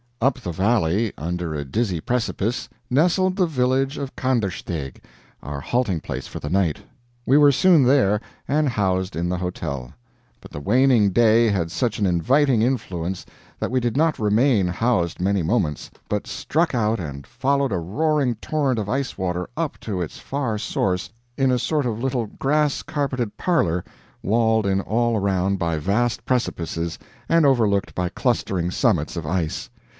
Up the valley, under a dizzy precipice, nestled the village of Kandersteg, our halting place for the night. We were soon there, and housed in the hotel. But the waning day had such an inviting influence that we did not remain housed many moments, but struck out and followed a roaring torrent of ice water up to its far source in a sort of little grass carpeted parlor, walled in all around by vast precipices and overlooked by clustering summits of ice.